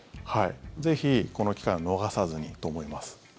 ぜひこの機会を逃さずにと思います。